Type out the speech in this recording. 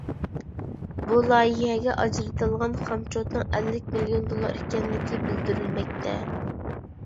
بۇ لايىھەگە ئاجرىتىلغان خامچوتنىڭ ئەللىك مىليون دوللار ئىكەنلىكى بىلدۈرۈلمەكتە.